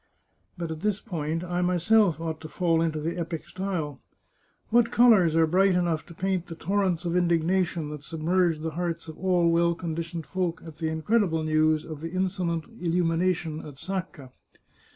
But at this point, I myself ought to fall into the epic style. What colours are bright enough to paint the tor rents of indignation that submerged the hearts of all well conditioned folk at the incredible news of the insolent illu mination at Sacca!